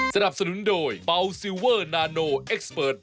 เขาถามแค่นี้แหละค่ะเดี๋ยวพี่เขามาดึง